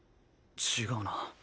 違うな。